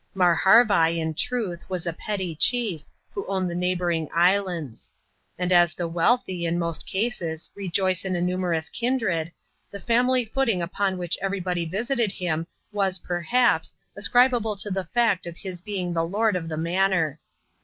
Marharvai, in truth, was a petty chief, who owned the neighbouring lands. And as the wealthy, in most cases, rejoice in a numerous kindred, the family footing upon which everybody visited him, was, perhaps, ascribable to the fact of his being the lord of the manor.